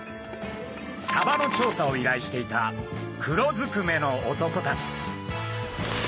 サバの調査をいらいしていた黒ずくめの男たち。